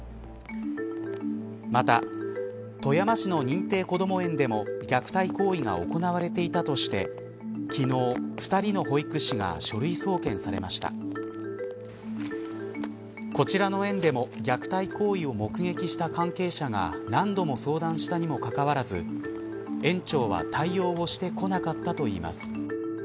また富山市の認定こども園でも虐待行為が行われていたとして昨日、２人の保育士が書類送検されましたこちらの園でも虐待行為を目撃した関係者が何度も相談したにもかかわらず園長は対応してこなかったといいます。